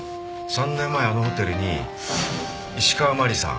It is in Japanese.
３年前あのホテルに石川マリさん